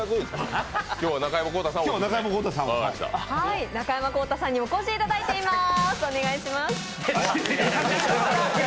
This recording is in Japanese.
中山功太さんにお越しいただいています。